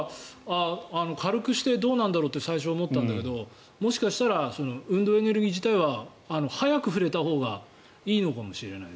軽くしてどうなんだろうって最初思ったんだけどもしかしたら運動エネルギー自体は速く振れたほうがいいのかもしれない。